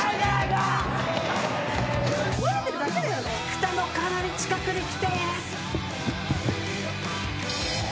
ふたのかなり近くに来て。